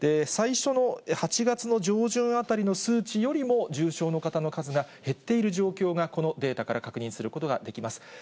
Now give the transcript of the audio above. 最初の８月の上旬あたりの数値よりも、重症の方の数が減っている状況が、このデータから確認することができます。